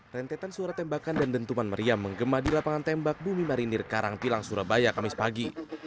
rentetan suara tembakan dan dentuman meriam menggema di lapangan tembak bumi marinir karangpilang surabaya kamis pagi